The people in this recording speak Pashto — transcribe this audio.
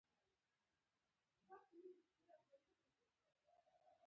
د اسیا خلکو او افریقایانو کې بیا دا کار